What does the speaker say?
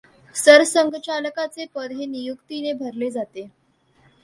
सरसंघचालकाचे पद हे नियुक्तीने भरले जाते.